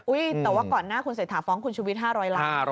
อุ้ยแต่ว่าก่อนหน้าคุณเสถาฟ้องคุณชูวิทย์๕๐๐ล้าน